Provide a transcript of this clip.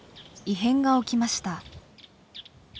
異変が起きました。